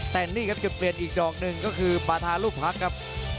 แต่นี่ครับจุดเปลี่ยนอีกดอกหนึ่งก็คือปาธาลูกพักครับ